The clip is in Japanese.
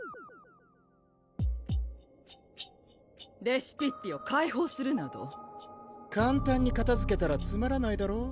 レシピッピを解放するなど簡単にかたづけたらつまらないだろ？